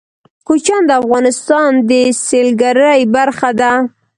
کوچیان د افغانستان د سیلګرۍ برخه ده.